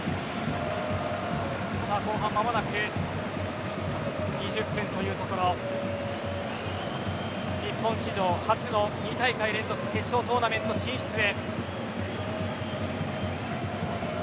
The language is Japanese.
後半、間もなく２０分というところ日本史上初の２大会連続決勝トーナメント進出へ。